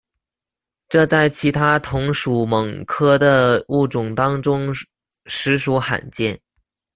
这在其他同属蠓科的物种当中实属罕见。